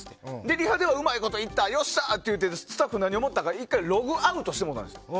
リハではうまいこといってよっしゃー！って思ったらスタッフが何を思ったか１回ログアウトしてもうたんです。